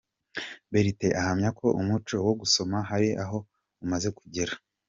Bertin ahamya ko umuco wo gusoma hari aho umaze kugera.